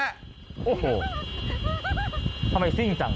ทำไมสิ้งจักร